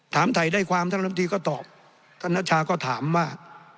ถามถ่ายได้ความท่านลำตีก็ตอบท่านนัชชาก็ถามว่า